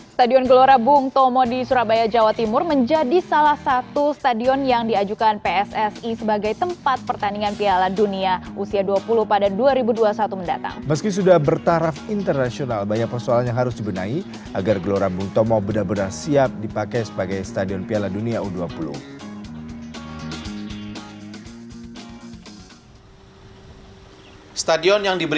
stadion gelora bung tomo di surabaya jawa timur menjadi salah satu stadion yang diajukan pssi sebagai tempat pertandingan piala dunia usia dua puluh pada dua ribu dua puluh satu mendatang